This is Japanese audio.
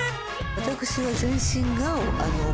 私は。